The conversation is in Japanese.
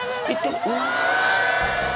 うわ！